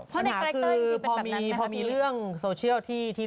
ผัวในคาแรคเตอร์ที่เป็นแบบนั้นเนอะพี่